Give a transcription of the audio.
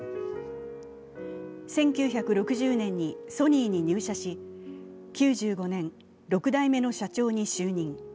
１９６０年にソニーに入社し、９５年、６代目の社長に就任。